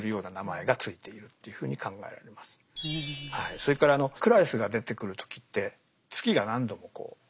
それからクラリスが出てくる時って月が何度もこう強調されます。